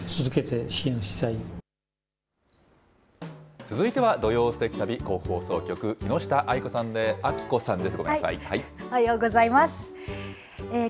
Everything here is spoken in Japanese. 続いては、土曜すてき旅、甲府放送局の木下愛季子さんです。